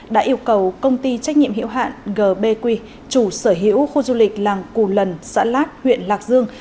đã yêu cầu công ty trách nhiệm hiệu hạn gbq chủ sở hữu khu du lịch làng cù lần xã lát huyện lạc dương